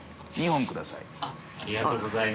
２本ください。